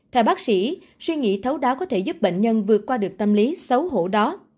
theo bác sĩ suy nghĩ thấu đáo có thể giúp bệnh nhân vượt qua được tâm lý xấu hổ đó